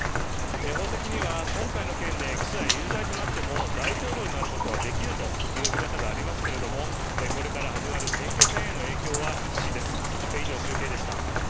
法的には今回の件で起訴や有罪となっても大統領になることはできるという見方がありますけれどもこれから始まる選挙戦への影響は必至です。